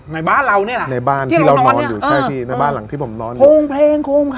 ในบ้านเรานี่แหละในบ้านที่เรานอนอยู่ใช่พี่ในบ้านหลังที่ผมนอนอยู่โคมเพลงโคมค่ะ